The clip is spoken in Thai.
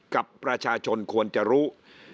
กับประชาชนควรจะรู้